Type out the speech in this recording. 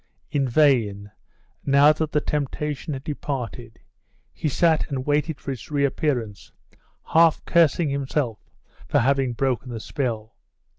In vain, now that the temptation had departed, he sat and waited for its reappearance, half cursing himself for having broken the spell.